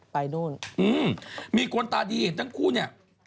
พี่เห็นทั้งคู่เนี่ย